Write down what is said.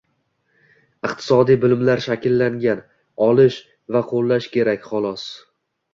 iqtisodiy bilimlar shakllangan – olish va qo‘llash kerak, xolos.